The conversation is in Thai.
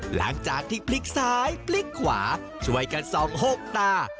หลังจากที่พลิกซ้ายพลิกขวาช่วยกันส่องหกตา